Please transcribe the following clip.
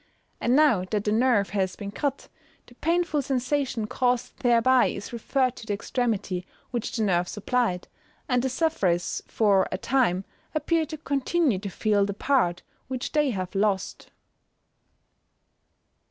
_ And now that the nerve has been cut, the painful sensation caused thereby is referred to the extremity which the nerve supplied, and the sufferers for a time appear to continue to feel the part which they have lost.